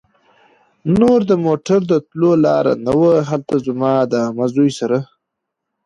نور د موټر د تلو لار نه وه. هلته زما د عمه زوی سره